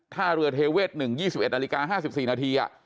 ท่าเรือเทเวศหนึ่งยี่สิบเอ็ดนาฬิกาห้าสิบสี่นาที